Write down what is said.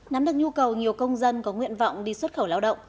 nắm được nhu cầu nhiều công dân có nguyện vọng đi xuất khẩu lao động